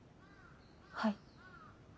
はい。